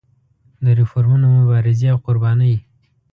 د ریفورمونو مبارزې او قربانۍ.